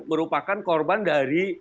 merupakan korban dari